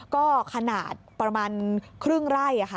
ก็ขนาดประมาณครึ่งไร่ค่ะ